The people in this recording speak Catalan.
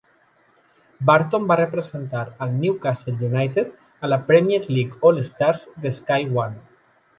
Barton va representar al Newcastle United a la "Premier League All Stars" de Sky One.